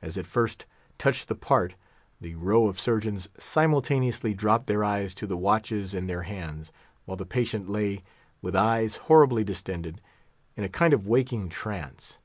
As it first touched the part, the row of surgeons simultaneously dropped their eyes to the watches in their hands while the patient lay, with eyes horribly distended, in a kind of waking trance.